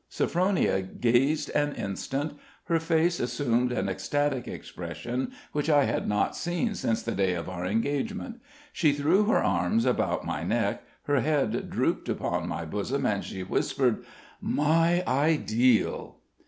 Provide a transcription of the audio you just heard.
Sophronia gazed an instant; her face assumed an ecstatic expression which I had not seen since the day of our engagement; she threw her arms about my neck, her head drooped upon my bosom, and she whispered: "My ideal!"